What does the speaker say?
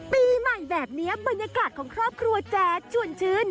ปีใหม่แบบนี้บรรยากาศของครอบครัวแจ๊ดชวนชื่น